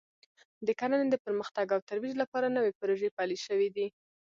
د کرنې د پرمختګ او ترویج لپاره نوې پروژې پلې شوې دي